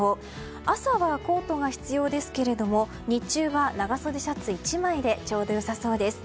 朝はコートが必要ですけれども日中は長袖シャツ１枚でちょうど良さそうです。